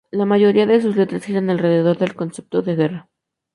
La mayoría de sus letras giran alrededor del concepto de guerra.